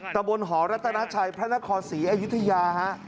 ตะบนหอรัตนาชัยพระนครศรีอยุธยาฮะ